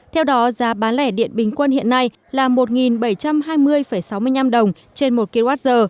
theo đó giá bán lẻ điện bình quân hiện nay là một bảy trăm hai mươi sáu mươi năm đồng trên một kwh